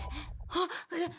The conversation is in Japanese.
あっ！